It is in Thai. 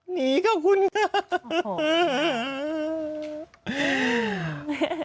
หนีเขาคุณค่ะ